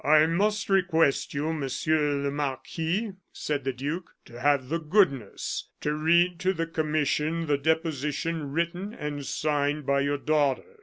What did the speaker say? "I must request you, Monsieur le Marquis," said the duke, "to have the goodness to read to the commission the deposition written and signed by your daughter."